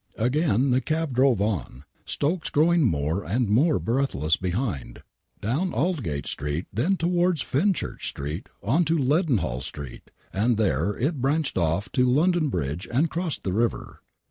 Again the cab drove on, Stokes growing more and more breath less behind. Down Aldgate Street, then towards Fenchurck Street, on to Leadenhall Street, and there it branched off to London Bridge and crossed the river.